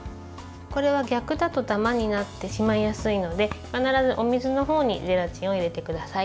これは逆だとダマになってしまいやすいので必ずお水のほうにゼラチンを入れてください。